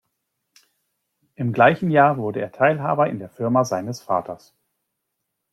Im gleichen Jahr wurde er Teilhaber in der Firma seines Vaters.